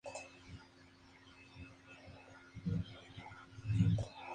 Teodosio, los recibió, pero comenzó a reclutar a tropas para derrotar a Eugenio.